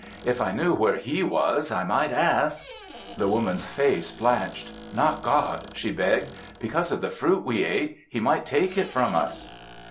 "If I knew where He was, I might ask " The Woman's face blanched. "Not God," she begged. "Because of the fruit we ate, He might take it from us."